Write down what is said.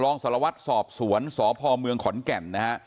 รองสารวัตรสอบสวนสพเมืองขอนแก่นนะฮะ